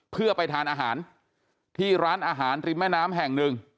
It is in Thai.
เพื่อไปทานอาหารที่ร้านอาหารริมแม่น้ำแห่งหนึ่ง